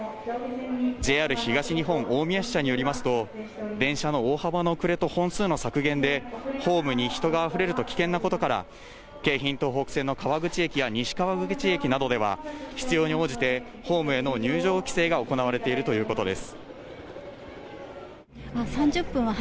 ＪＲ東日本大宮支社によりますと、電車の大幅な遅れと本数の削減で、ホームに人が溢れると危険なことから京浜東北線の川口駅や西川口駅などでは、必要に応じてホームへの入場規制が行われているということです。